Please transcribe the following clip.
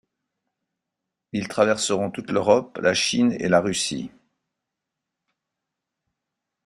Ils traverseront toute l’Europe, la Chine et la Russie.